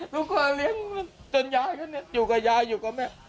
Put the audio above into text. ลูกพ่อเลี้ยงจนอย่างนี้อยู่กับยาอยู่กับแม่